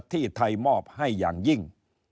ที่ไทยมอบให้อย่างยิ่ง